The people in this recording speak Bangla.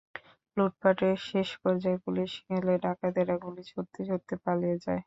লুটপাটের শেষ পর্যায়ে পুলিশ গেলে ডাকাতেরা গুলি ছুড়তে ছুড়তে পালিয়ে যায়।